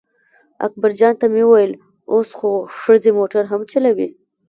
اکبرخان ته مې وویل اوس خو ښځې موټر هم چلوي.